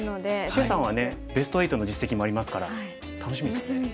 謝さんはベスト８の実績もありますから楽しみですよね。